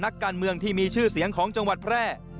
นักการเมืองที่มีชื่อเสียงของจังหวัดแพร่